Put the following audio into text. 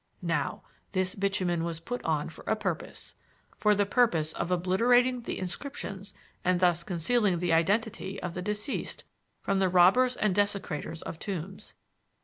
Now, this bitumen was put on for a purpose for the purpose of obliterating the inscriptions and thus concealing the identity of the deceased from the robbers and desecrators of tombs.